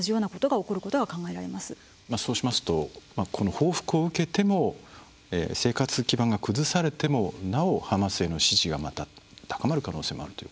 そうしますとこの報復を受けても生活基盤が崩されてもなおハマスへの支持がまた高まる可能性もあるということですかね。